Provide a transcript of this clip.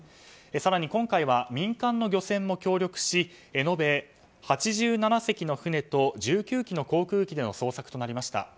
更に、今回は民間の漁船も協力し延べ８７隻の船と１９機の航空機での捜索となりました。